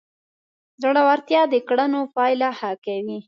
زړورتیا د کړنو پایله ښه کوي.